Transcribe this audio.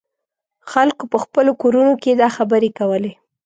خلکو په خپلو کورونو کې دا خبرې کولې.